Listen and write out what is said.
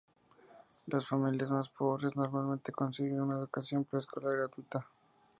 Las familias más pobres normalmente consiguen una educación preescolar gratuita.